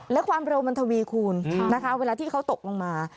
และความเร็วมันทวีคูณนะคะเวลาที่เขาตกลงมา